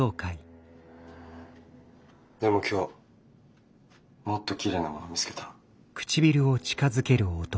でも今日もっときれいなもの見つけた。